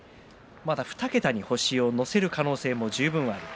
２桁に星を乗せる可能性も十分あります。